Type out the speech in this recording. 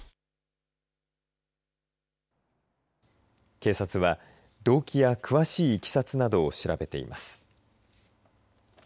警察は動機や詳しいいきさつなどを調べています。